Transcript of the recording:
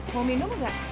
mau minum nggak